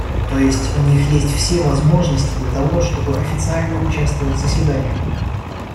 То есть, у них есть все возможности для того, чтобы официально участвовать в заседаниях.